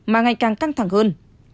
mà ngày càng căng thẳng hơn